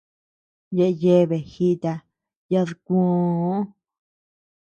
Yaʼa yeabe jita yadkuöo.